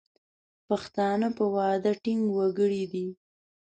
پښتانه په وعده ټینګ وګړي دي.